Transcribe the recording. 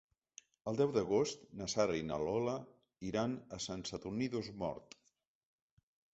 El deu d'agost na Sara i na Lola iran a Sant Sadurní d'Osormort.